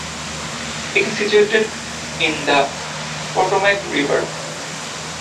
It is situated in the Potomac River.